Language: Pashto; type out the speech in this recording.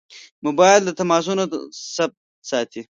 موبایل د تماسونو ثبت ساتي.